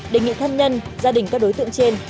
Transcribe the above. đề nghị thân nhân gia đình các đối tượng trên